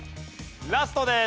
ラストです！